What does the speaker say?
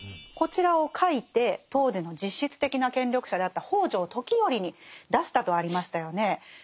こちらを書いて当時の実質的な権力者であった北条時頼に出したとありましたよね。